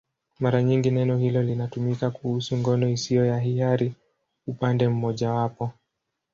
Mara nyingi neno hili linatumika kuhusu ngono isiyo ya hiari upande mmojawapo.